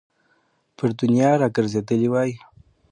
پر دنیا را ګرځېدلی وای.